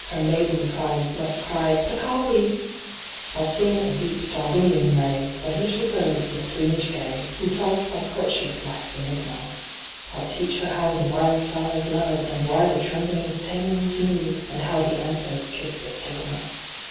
Her maiden pride must cry "■ Peccavi P' I'll sing a deep Darwinian lay Of little birds with plumage ga) , Who solved by courtship Life's enigma ; I'll teach her how the wild flowers love, And why the trembling stamens move. And how the anthers kiss the stigma.